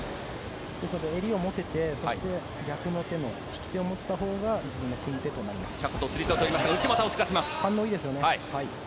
襟を持って、逆の手利き手を持てたほうが自分の組み手となります。